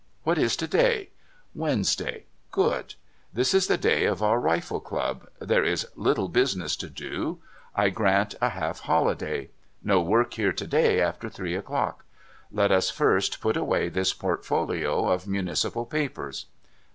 What is to day ? Wednesday. Good ! This is the day of our rifle club ; there is little business to do ; I grant a half holiday. No work here to day, after three o'clock. Let us first put away this portfolio of municipal papers.